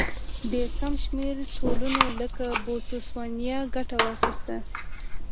ډېر کم شمېر ټولنو لکه بوتسوانیا ګټه واخیسته.